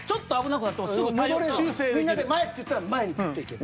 みんなで「前」って言ったら前にクッと行ける。